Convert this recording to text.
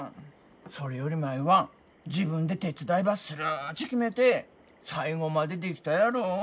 それより舞は自分で手伝いばするっち決めて最後までできたやろ。